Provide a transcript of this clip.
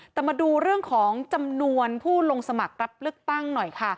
แต่มาดูเรื่องของจำนวนผู้ลงสมัครรับเลือกตั้งหน่อยค่ะ